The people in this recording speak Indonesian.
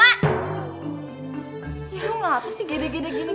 ya lo ngapain sih gede gede gini